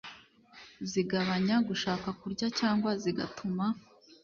zigabanya gushaka kurya cyangwa zigatuma